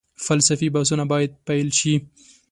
فلسفي بحثونه باید پيل شي.